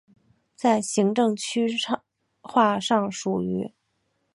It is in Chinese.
在行政区划上属于。